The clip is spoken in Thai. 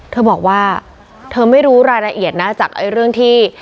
เธอบอกว่าเธอไม่รู้รายละเอียดนะจากเรื่องที่